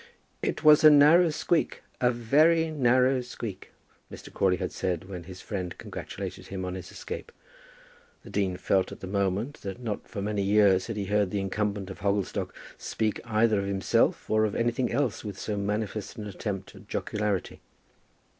"It was a narrow squeak a very narrow squeak," Mr. Crawley had said when his friend congratulated him on his escape. The dean felt at the moment that not for many years had he heard the incumbent of Hogglestock speak either of himself or of anything else with so manifest an attempt at jocularity.